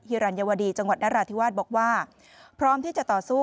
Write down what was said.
รัญวดีจังหวัดนราธิวาสบอกว่าพร้อมที่จะต่อสู้